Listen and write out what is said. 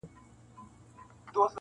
د لېوه سترګي سوې سرې په غړومبېدو سو-